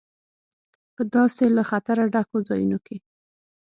په داسې له خطره ډکو ځایونو کې.